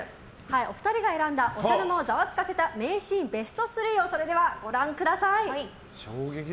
お二人が選んだお茶の間をザワつかせた名シーンベスト３をご覧ください。